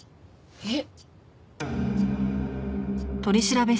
えっ。